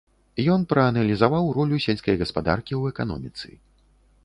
Ён прааналізаваў ролю сельскай гаспадаркі ў эканоміцы.